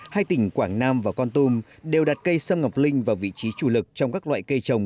hai tỉnh quảng nam và con tum đều đặt cây sâm ngọc linh vào vị trí chủ lực trong các loại cây trồng